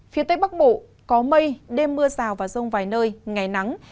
phía tây bắc bộ có mây đêm mưa rào và rông vài nơi ngày nắng